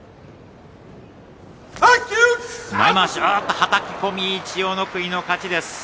はたき込み千代の国の勝ちです。